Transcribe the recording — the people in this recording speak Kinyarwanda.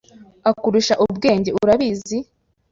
akurusha ubwenge, urabizi.